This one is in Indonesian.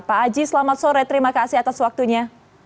pak aji selamat sore terima kasih atas waktunya